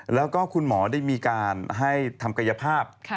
แล้วก็คุณหมอได้มีการให้ทำกายภาพ